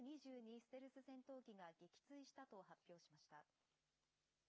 ステルス戦闘機が撃墜したと発表しました。